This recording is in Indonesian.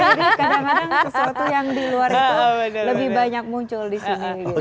jadi kadang kadang sesuatu yang di luar itu lebih banyak muncul di sini gitu